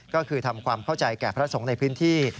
ก็คือทำความเข้าใจแก่พระสงฆ์ในพื้นที่